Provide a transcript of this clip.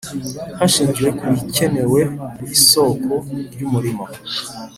Hashingiwe ku bikenewe ku isoko ry umurimo